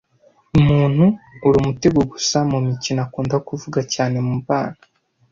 Umuntu uri umutego gusa mumikino akunda kuvuga cyane mubana.